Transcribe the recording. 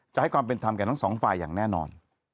ให้ความเป็นธรรมกับทั้งสองฝ่ายอย่างแน่นอน